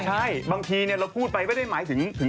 ใช่บางทีเราพูดไปไม่ได้หมายถึง